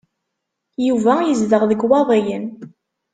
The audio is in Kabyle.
Yuba yezdeɣ deg Iwaḍiyen.